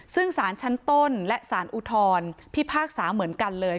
ซึ่งสารชั้นต้นและสารอุทธรพิพากษาเหมือนกันเลย